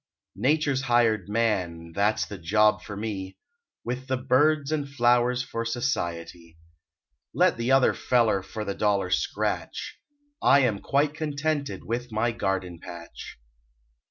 Nature s hired man ! That s the job for me, [ 47 ] With the birds and flowers For society. Let the other feller For the dollar scratch I am quite contented With my garden patch.